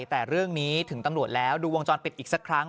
แต่เรื่องนี้ถึงตำรวจแล้วดูวงจรปิดอีกสักครั้ง